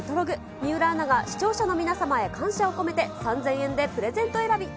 水卜アナが視聴者の皆様へ感謝を込めて、３０００円でプレゼント選び。